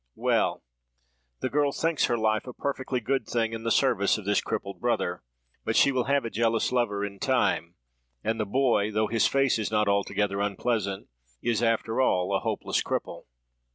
Well! the girl thinks her life a perfectly good thing in the service of this crippled brother. But she will have a jealous lover in time: and the boy, though his face is not altogether unpleasant, is after all a hopeless cripple.